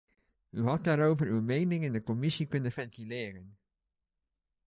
U had daarover uw mening in de commissie kunnen ventileren.